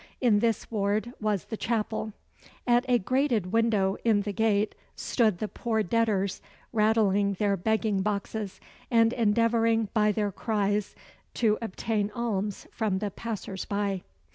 In this ward was the chapel. At a grated window in the gate stood the poor debtors rattling their begging boxes, and endeavouring by their cries to obtain alms from the passers by.